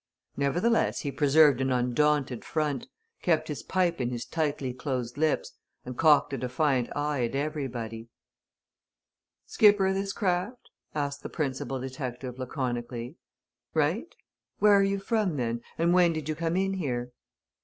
Nevertheless he preserved an undaunted front, kept his pipe in his tightly closed lips, and cocked a defiant eye at everybody. "Skipper o' this craft?" asked the principal detective laconically. "Right? Where are you from, then, and when did you come in here?"